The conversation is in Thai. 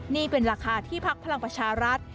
นี่เป็นราคาที่พักพลังประชารัฐ